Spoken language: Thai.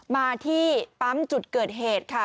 มาที่ปั๊มจุดเกิดเหตุค่ะ